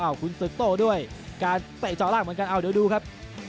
อ้าวขุนศึกโตด้วยการเตะจ่อล่างเหมือนกันอ้าวเดี๋ยวดูครับ